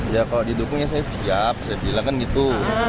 ya kalau didukung ya saya siap saya bilang kan gitu